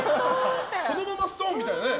そのままストーンみたいなね。